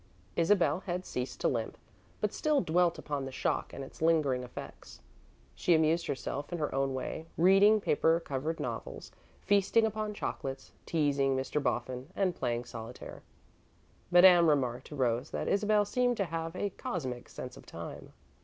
Isabel had ceased to limp, but still dwelt upon the shock and its lingering effects. She amused herself in her own way, reading paper covered novels, feasting upon chocolates, teasing Mr. Boffin, and playing solitaire. Madame remarked to Rose that Isabel seemed to have a cosmic sense of time.